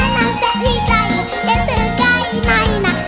นามเจ๊ที่ใจอินธีชายไก่ไหนนะ